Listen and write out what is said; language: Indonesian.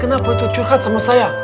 kalian kenapa tuh curhat sama saya